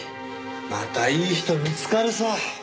またいい人見つかるさ！